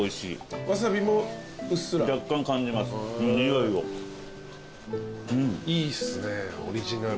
いいっすねオリジナル。